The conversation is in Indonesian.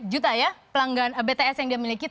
dua juta ya pelanggan bts yang dia miliki